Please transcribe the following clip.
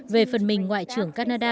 về phần mình ngoại trưởng canada